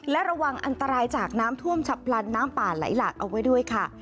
และระวังอันตรายจากน้ำท่วมฉับพลันน้ำป่าไหลหลากเอาไว้ด้วยค่ะ